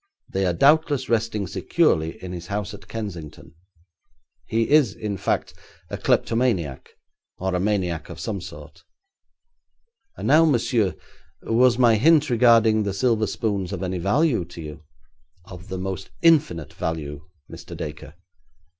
They are doubtless resting securely in his house at Kensington. He is, in fact, a kleptomaniac, or a maniac of some sort. And now, monsieur, was my hint regarding the silver spoons of any value to you?' 'Of the most infinite value, Mr. Dacre.'